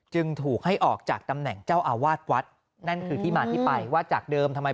จึงถูกให้ออกจากตำแหน่งเจ้าอาวาสวัดนั่นคือที่มาที่ไปว่าจากเดิมทำไม